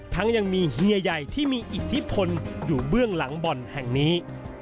ยังมีเฮียใหญ่ที่มีอิทธิพลอยู่เบื้องหลังบ่อนแห่งนี้